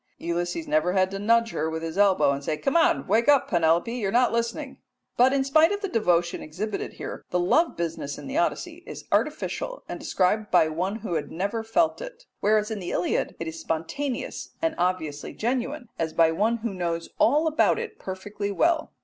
Ulysses never had to nudge her with his elbow and say, "Come, wake up, Penelope, you are not listening"; but, in spite of the devotion exhibited here, the love business in the Odyssey is artificial and described by one who had never felt it, whereas in the Iliad it is spontaneous and obviously genuine, as by one who knows all about it perfectly well.